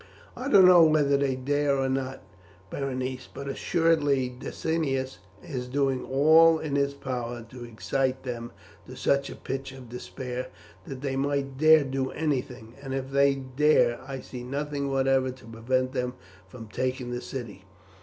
"I don't know whether they dare or not, Berenice, but assuredly Decianus is doing all in his power to excite them to such a pitch of despair that they might dare do anything; and if they dare, I see nothing whatever to prevent them from taking the city.